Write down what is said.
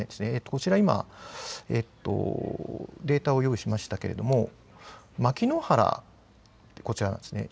こちら今、データを用意しましたけれども、牧之原、こちらですね。